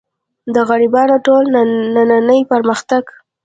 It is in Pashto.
د غربیانو ټول نننۍ پرمختګ.